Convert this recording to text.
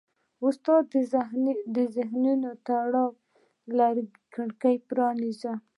استاد د ذهنونو تړلې کړکۍ پرانیزي.